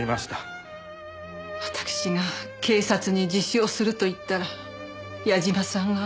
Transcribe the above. わたくしが警察に自首をすると言ったら矢嶋さんが。